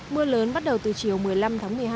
mưa lớn bắt đầu từ chiều một mươi năm tháng một mươi hai